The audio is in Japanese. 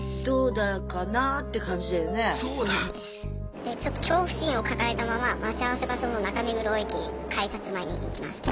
でちょっと恐怖心を抱えたまま待ち合わせ場所の中目黒駅改札前に行きまして。